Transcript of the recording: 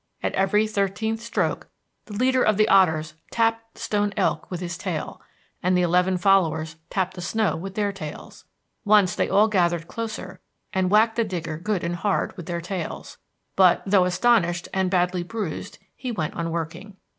At every thirteenth stroke the leader of the otters tapped the stone elk with his tail, and the eleven followers tapped the snow with their tails. Once they all gathered closer and whacked the digger good and hard with their tails, but, though astonished and badly bruised, he went on working.